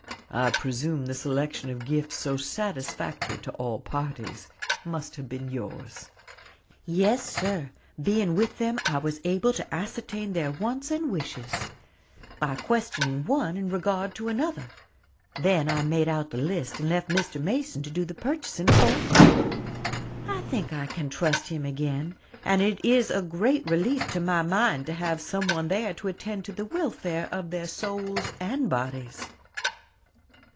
I presume the selection of gifts so satisfactory to all parties must have been yours?" "Yes, sir; being with them, I was able to ascertain their wants and wishes, by questioning one in regard to another. Then I made out the list, and left Mr. Mason to do the purchasing for me. I think I can trust him again, and it is a great relief to my mind to have some one there to attend to the welfare of their souls and bodies."